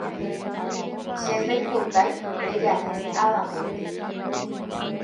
Che ndaipotái rejapi avavépe